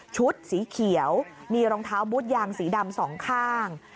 สีเขียวมีรองเท้าบูธยางสีดำสองข้าง